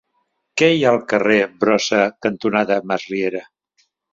Què hi ha al carrer Brossa cantonada Masriera?